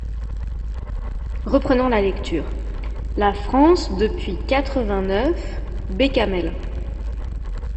Reprenant la lecture. "La France depuis quatre-vingt-neuf…" Bécamel.